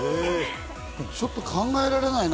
ちょっと考えられないな。